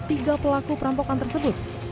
tiga pelaku perampokan tersebut